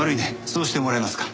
そうしてもらえますか。